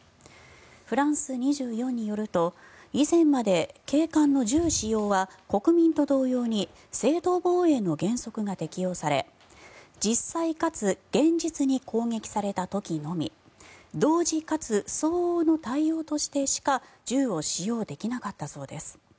フランス２４によると以前まで警官の銃使用は国民と同様に正当防衛の原則が適用され実際かつ現実に攻撃された時のみ同時かつ相応の対応としてしか銃を使用できなかったそうです。